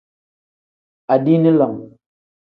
Adiini lam.